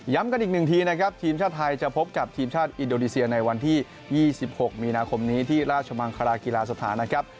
กันอีกหนึ่งทีนะครับทีมชาติไทยจะพบกับทีมชาติอินโดนีเซียในวันที่๒๖มีนาคมนี้ที่ราชมังคลากีฬาสถานนะครับ